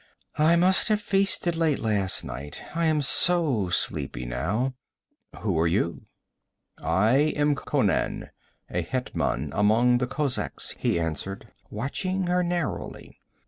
'I must have feasted late last night, I am so sleepy now. Who are you?' 'I am Conan, a hetman among the kozaks,' he answered, watching her narrowly.